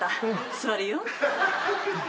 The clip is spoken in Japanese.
座るよ。